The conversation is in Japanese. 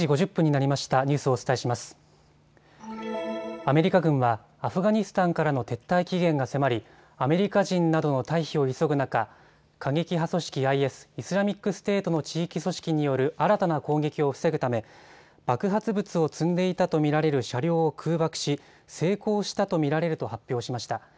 アメリカ軍はアフガニスタンからの撤退期限が迫りアメリカ人などの退避を急ぐ中、過激派組織ＩＳ・イスラミックステートの地域組織による新たな攻撃を防ぐため爆発物を積んでいたと見られる車両を空爆し成功したと見られると発表しました。